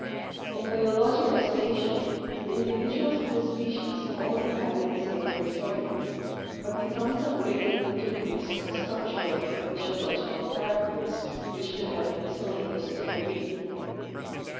"In biologic isolation the individuals of the species all inhabit the same territory, but become separated into groups by structural or physiological characters which prevent miscellaneous inter breeding.